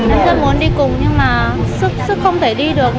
nhưng rất muốn đi cùng nhưng mà sức không thể đi được